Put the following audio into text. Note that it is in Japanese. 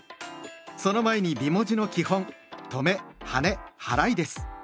その前に美文字の基本「とめ・はねはらい」です。